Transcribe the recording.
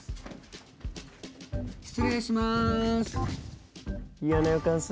失礼します。